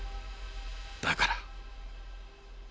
だから。